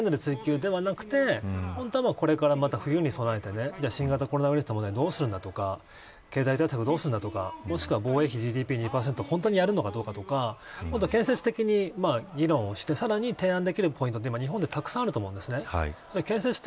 だったらスキャンダル追及ではなくて本当は、これからまた冬に備えて新型コロナウイルスと問題をどうするかとか経済対策をどうするとかもしくは防衛費ＧＤＰ２％本当にやるのかとか建設的な議論をして提案できるポイントはたくさんあると思うんですね。